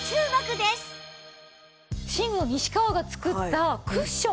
寝具の西川が作ったクッション。